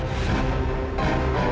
janganlah kamu menggantung saya